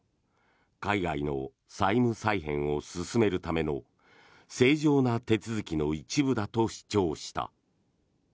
海外の債務再編を進めるための正常な手続きの一部だと主張した。